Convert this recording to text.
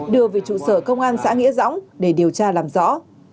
đưa về trụ sở công an xã nghĩa dõng để điều tra làm rõ